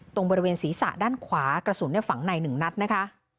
ตรงบริเวณศีรษะด้านขวากระสุนฝังใน๑นัดนะคะ